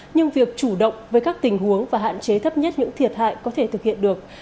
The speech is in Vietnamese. nhưng việc chủ động với các tình huống và hạn chế thấp nhất những thiệt hại có thể thực hiện được